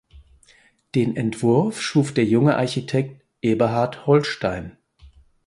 Den Entwurf schuf der junge Architekt Eberhard Holstein.